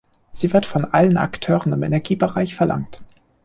Sie wird von allen Akteuren im Energiebereich verlangt.